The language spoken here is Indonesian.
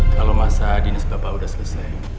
kalau masa dinas bapak sudah selesai